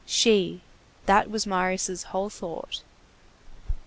She—that was Marius' whole thought.